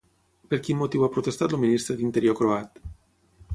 Per quin motiu ha protestat el ministre d'Interior croat?